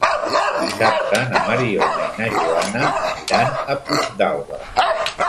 Dissabte na Mariona i na Joana aniran a Puigdàlber.